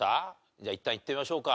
じゃあいったんいってみましょうか。